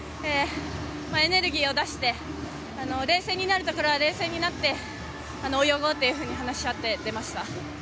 エネルギーを出して冷静になるところは冷静になって泳ごうと話し合って、出ました。